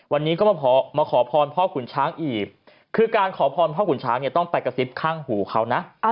วันนี้ก็มาขอพรพ่อขุนช้างอีกคือการขอพรพ่อขุนช้างเนี่ยต้องไปกระซิบข้างหูเขานะ